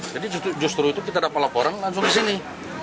jadi justru itu kita dapat laporan langsung disini